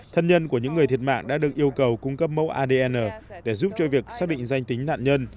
thân nhân của những người thiệt mạng đã được yêu cầu cung cấp mẫu adn để giúp cho việc xác định danh tính nạn nhân